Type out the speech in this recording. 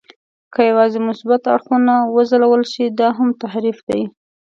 که یوازې مثبت اړخونه وځلول شي، دا هم تحریف دی.